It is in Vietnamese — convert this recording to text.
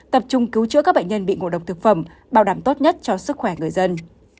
tập trung cứu chữa các bệnh nhân bị ngộ độc thực phẩm bảo đảm tốt nhất cho sức khỏe người dân